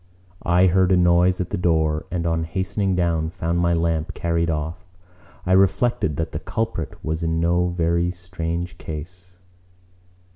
I heard a noise at the door and on hastening down found my lamp carried off. I reflected that the culprit was in no very strange case.